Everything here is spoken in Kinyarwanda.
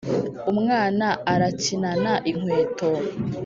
umwana arakinana inkweto